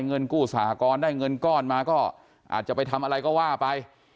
เงินกู้สหกรณ์ได้เงินก้อนมาก็อาจจะไปทำอะไรก็ว่าไป